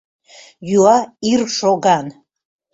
Юа — иршоган.